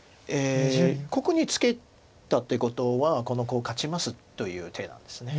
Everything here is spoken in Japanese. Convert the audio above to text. ここにツケたということは「このコウ勝ちます」という手なんです。